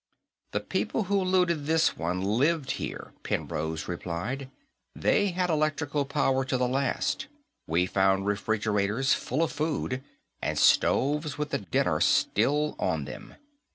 "The people who looted this one lived here," Penrose replied. "They had electric power to the last; we found refrigerators full of food, and stoves with the dinner still on them.